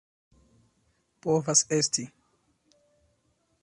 Povas esti.